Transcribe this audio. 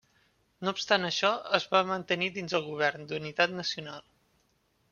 No obstant això, es va mantenir dins del govern d'unitat nacional.